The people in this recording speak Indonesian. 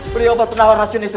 beli obat penawar racun itu